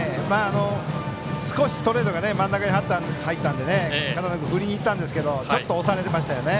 少しストレートが真ん中に入ったので、片野君振りにいったんですがちょっと押されていましたね。